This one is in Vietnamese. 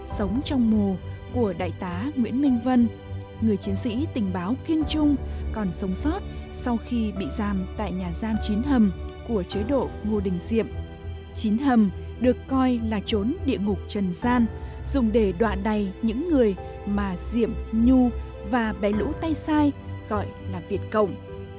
sau khi bị giam tại nhà giam chín hầm của chế độ ngô đình diệm chín hầm được coi là trốn địa ngục trần gian dùng để đoạn đầy những người mà diệm nhu và bé lũ tay sai gọi là việt cộng